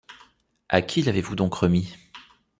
À qui l’avez-vous donc remis?